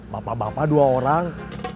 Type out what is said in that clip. bapak bapak dua orang